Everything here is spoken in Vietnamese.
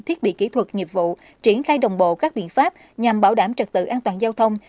thiết bị kỹ thuật nghiệp vụ triển khai đồng bộ các biện pháp nhằm bảo đảm trật tự an toàn giao thông